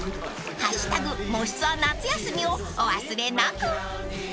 ［「＃もしツア夏休み」をお忘れなく］